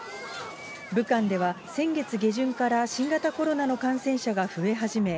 武漢では、先月下旬から新型コロナの感染者が増え始め、